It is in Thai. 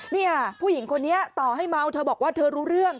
เนี่ยผู้หญิงคนนี้ต่อให้เมาเธอบอกว่าเธอรู้เรื่อง